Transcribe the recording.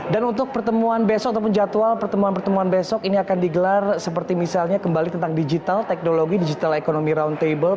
dan untuk pertemuan besok ataupun jadwal pertemuan pertemuan besok ini akan digelar seperti misalnya kembali tentang digital teknologi digital economy round table